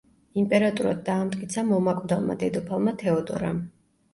იმპერატორად დაამტკიცა მომაკვდავმა დედოფალმა თეოდორამ.